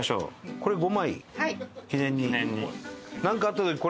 これ５枚記念に。